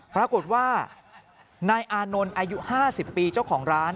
ปรากฏว่านายอานนท์อายุ๕๐ปีเจ้าของร้าน